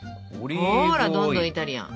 ほらどんどんイタリアン。